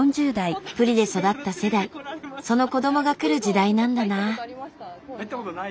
プリで育った世代その子どもが来る時代なんだな。